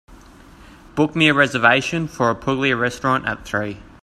Book me a reservation for a puglia restaurant at three